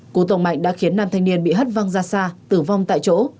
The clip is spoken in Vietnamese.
cú tông mạnh đã khiến nam thanh niên bị hất văng ra xa tử vong tại chỗ